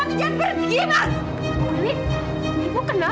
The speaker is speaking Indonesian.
ia dia suami saya pak